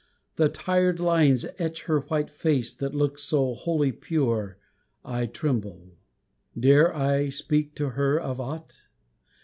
The tired lines Etch her white face with look so wholly pure I tremble dare I speak to her of aught?